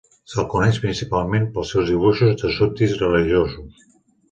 Se'l coneix principalment pels seus dibuixos de súbdits religiosos.